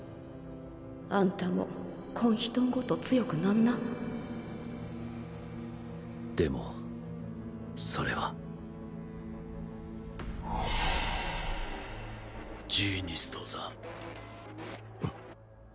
あんたもこん人んごと強くなんなでもそれはジーニストさん。